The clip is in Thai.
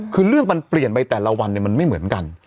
คือเรื่องมันเปลี่ยนไปแต่ละวันมันไม่เหมือนกัน